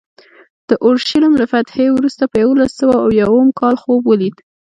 د اورشلیم له فتحې وروسته په یوولس سوه اویا اووم کال خوب ولید.